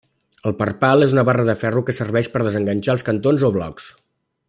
El perpal és una barra de ferro que serveix per desenganxar els cantons o blocs.